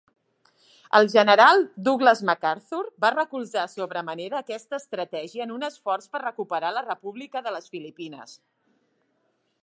El General Douglas MacArthur va recolzar sobre manera aquesta estratègia en un esforç per recuperar la República de les Filipines.